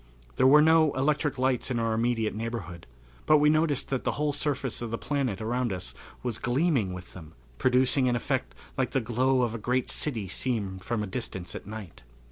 There were no electric lights in our immediate neighborhood, but we noticed that the whole surface of the planet around us was gleaming with them, producing an effect like the glow of a great city seen from a distance at night.